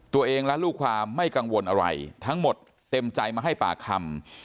ตัวเองและลูกความไม่กังวลอะไรทั้งหมดเต็มใจมาให้ปากคำ